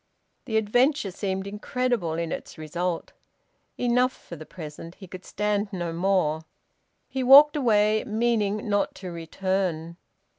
The adventure seemed incredible in its result. Enough for the present! He could stand no more. He walked away, meaning not to return.